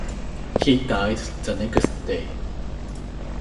He died the next day.